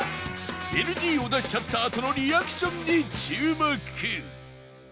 ＮＧ を出しちゃったあとのリアクションに注目